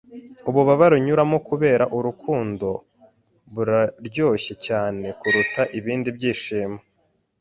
Ububabare unyuramo kubera urukundo buraryoshye cyane kuruta ibindi byishimo.